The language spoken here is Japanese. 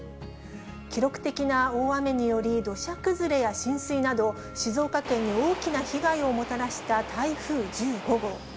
記録的な大雨により、土砂崩れや浸水など、静岡県に大きな被害をもたらした台風１５号。